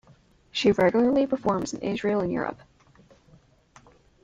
She regularly performs in Israel and Europe.